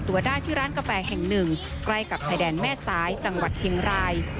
ตัวได้ที่ร้านกาแฟแห่งหนึ่งใกล้กับชายแดนแม่ซ้ายจังหวัดเชียงราย